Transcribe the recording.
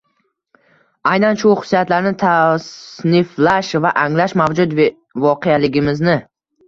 Aynan shu xususiyatlarni tasniflash va anglash mavjud voqeligimizni